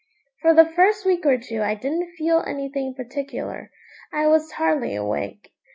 For the first week or two I didn't feel anything particular. I was hardly awake.